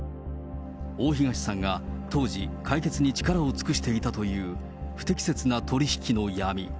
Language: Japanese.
大東さんが当時、解決に力を尽くしていたという不適切な取り引きの闇。